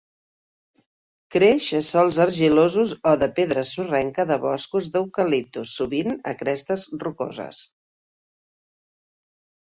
Creix a sòls argilosos o de pedra sorrenca de boscos d'"Eucalyptus", sovint a crestes rocoses.